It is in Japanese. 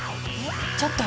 ちょっと！